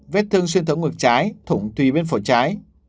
vết thương xuyên thống ngược trái thủng tùy bên phổ trái